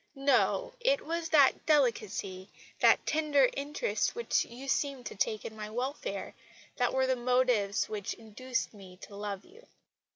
No, it was that delicacy, that tender interest which you seemed to take in my welfare, that were the motives which induced me to love you."